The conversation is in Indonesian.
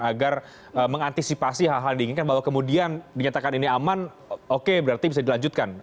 agar mengantisipasi hal hal diinginkan bahwa kemudian dinyatakan ini aman oke berarti bisa dilanjutkan